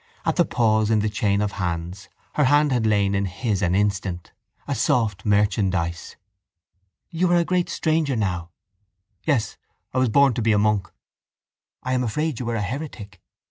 At the pause in the chain of hands her hand had lain in his an instant, a soft merchandise. —You are a great stranger now. —Yes. I was born to be a monk. —I am afraid you are a heretic.